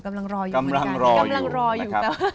กำลังรออยู่นะครับ